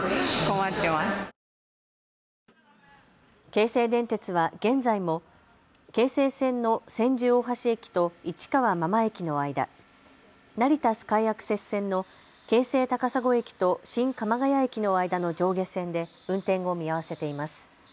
京成電鉄は現在も京成線の千住大橋駅と市川真間駅の間、成田スカイアクセス線の京成高砂駅と新鎌ヶ谷駅の間の上下線で運転を見合わせています。